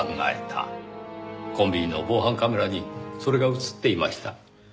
コンビニの防犯カメラにそれが映っていました。